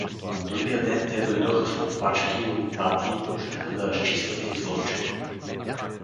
На другия ден те дойдоха с копачки и лопати и почнаха да разчистват изворчето.